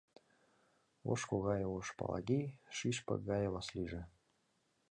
Ошко гае ош Палагий, шӱшпык гае Васлиже.